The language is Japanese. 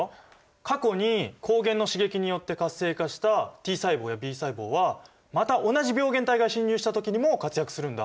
過去に抗原の刺激によって活性化したＴ細胞やＢ細胞はまた同じ病原体が侵入した時にも活躍するんだ。